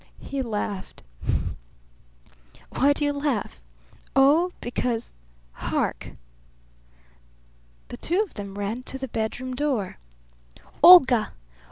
He laughed. "Why do you laugh?" "Oh, because Hark!" The two of them ran to the bedroom door. "Olga!